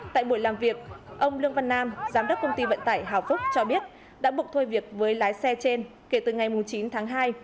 tại buổi làm việc ông lương văn nam giám đốc công ty vận tải hào phúc cho biết đã bục thôi việc với lái xe trên kể từ ngày chín tháng hai